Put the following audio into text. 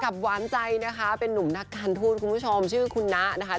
หวานใจนะคะเป็นนุ่มนักการทูตคุณผู้ชมชื่อคุณนะนะคะ